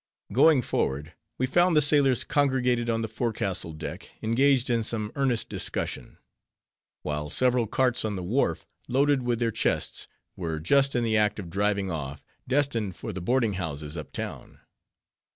Going forward, we found the sailors congregated on the forecastle deck, engaged in some earnest discussion; while several carts on the wharf, loaded with their chests, were just in the act of driving off, destined for the boarding houses uptown.